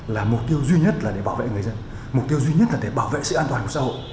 là mục tiêu duy nhất là để bảo vệ người dân mục tiêu duy nhất là để bảo vệ sự an toàn của xã hội